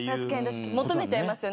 確かに求めちゃいますよね。